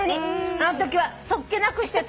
「あのときは素っ気なくしてすみません」